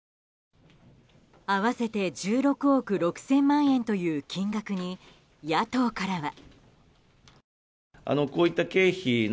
合わせて１６億６０００万円という金額に野党からは。